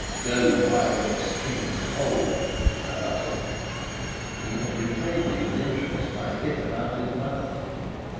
"Go, while your skin's whole!" I muttered. He had repaid me with interest my hit about his mother.